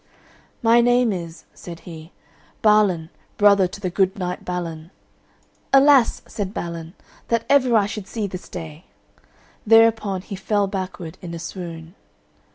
"My name is," said he, "Balan, brother to the good knight Balin." "Alas!" said Balin, "that ever I should see this day." Thereupon he fell backward in a swoon.